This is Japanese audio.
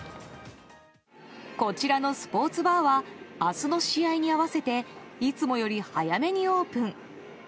こちらのスポーツバーは明日の試合に合わせていつもより早めにオープン。